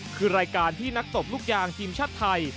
คือรายการที่นักตบลูกยางทีมชาติไทย